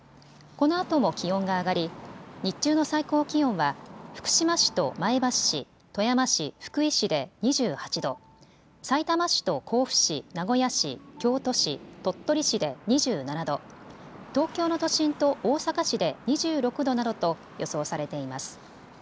このあとも気温が上がり、日中の最高気温は福島市と前橋市、富山市、福井市で２８度、さいたま市と甲府市、名古屋市、京都市、鳥取市で２７度、東京の都心と大阪市で２６度などと予想されています。